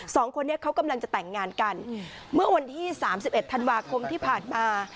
สองคนนี้เขากำลังจะแต่งงานกันเมื่อวันที่สามสิบเอ็ดธันวาคมที่ผ่านมา